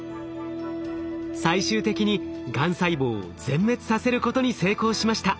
最終的にがん細胞を全滅させることに成功しました。